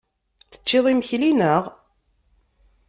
Tecciḍ imekli, naɣ?